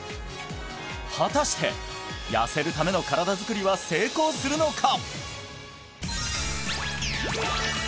果たして痩せるための身体作りは成功するのか？